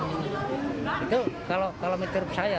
itu kalau mitur saya